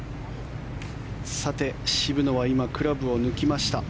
渋野は今、クラブを抜きました。